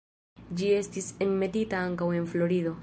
Ĝi estis enmetita ankaŭ en Florido.